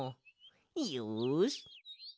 よし！